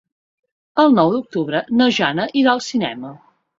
El nou d'octubre na Jana irà al cinema.